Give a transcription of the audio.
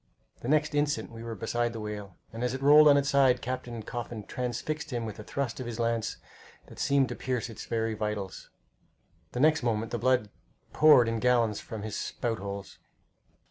The next instant we were beside the whale, and as it rolled on its side Captain Coffin transfixed him with a thrust of his lance that seemed to pierce his very vitals. The next moment the blood poured in gallons from his spout holes.